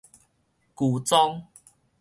舊宗